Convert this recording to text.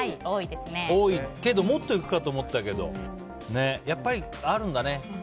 多いけどもっといくかと思ったけどやっぱりあるんだね。